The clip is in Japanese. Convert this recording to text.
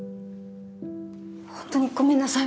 ホントにごめんなさい。